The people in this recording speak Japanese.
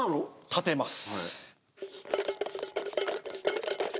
立てます。